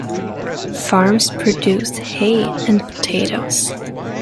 Farms produced hay and potatoes.